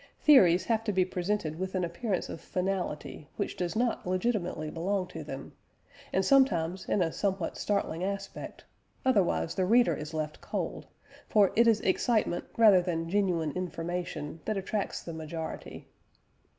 Theories have to be presented with an appearance of finality which does not legitimately belong to them, and sometimes in a somewhat startling aspect, otherwise the reader is left cold, for it is excitement rather than genuine information that attracts the majority.